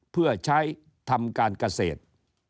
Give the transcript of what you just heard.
เพื่อใช้ทำการเกษตร